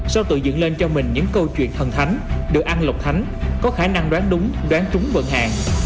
sau tự dựng lên cho mình những câu chuyện thần thánh được ăn lộc thánh có khả năng đoán đúng đoán trúng vận hạn